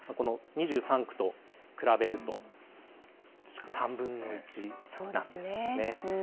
２３区と比べると３分の１なんですね。